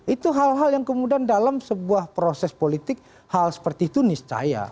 itu hal hal yang kemudian dalam sebuah proses politik hal seperti itu niscaya